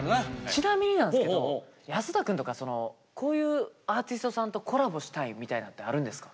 ちなみになんすけど安田くんとかこういうアーティストさんとコラボしたいみたいのってあるんですか？